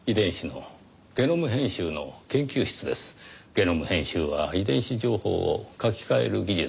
ゲノム編集は遺伝子情報を書き換える技術。